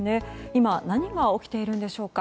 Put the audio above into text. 今、何が起きているのでしょうか。